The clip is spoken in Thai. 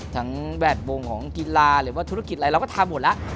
แวดวงของกีฬาหรือว่าธุรกิจอะไรเราก็ทำหมดแล้ว